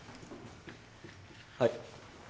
はい。